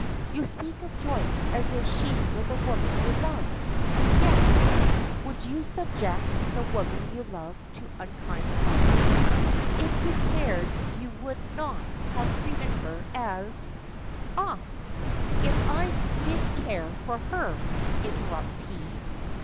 You speak of Joyce as if she were the woman you love, and yet would you subject the woman you love to unkind comment? If you cared you would not have treated her as " "Ah, if I did care for her," interrupts he.